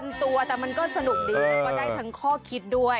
มันเลยต้องนะมันต้องเลยจะเป็นพันตัวได้ถึงข้อคิดด้วย